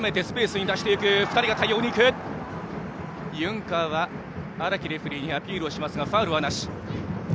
ユンカーは荒木レフリーにアピールをしますがファウルはなし。